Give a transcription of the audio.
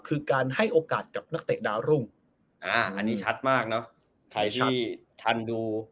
คือการให้โอกาสกับนักเตะดาวรุ่งอ่าอันนี้ชัดมากเนอะใครที่ทันดู